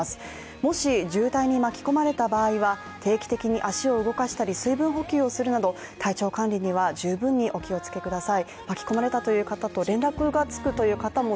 もし渋滞に巻き込まれた場合は定期的に足を動かしたり水分補給をするなど体調管理には十分にをお気をつけください。